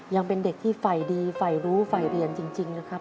ยังเป็นเด็กที่ฝ่ายดีฝ่ายรู้ฝ่ายเรียนจริงนะครับ